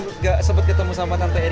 tapi gak sempet ketemu sama tante erina